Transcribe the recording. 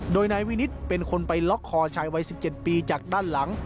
โดยนายวินิตเป็นคนไปล็อกคอชายวัย๑๗ปีจากด้านหลัง